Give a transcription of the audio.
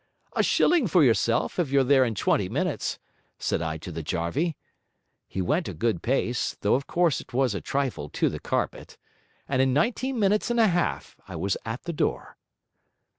"A shilling for yourself, if you're there in twenty minutes!" said I to the jarvey. He went a good pace, though of course it was a trifle to the carpet; and in nineteen minutes and a half I was at the door.'